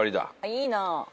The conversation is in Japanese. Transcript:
いいな。